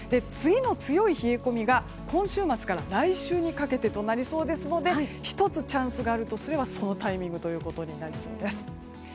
次の強い冷え込みが今週末から来週にかけてとなりそうですので１つチャンスがあるとすればそのタイミングとなりそうです。